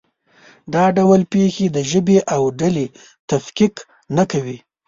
دا ډول پېښې د ژبې او ډلې تفکیک نه کوي.